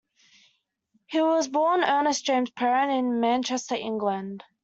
He was born "Ernest James Perrin " in Manchester, England.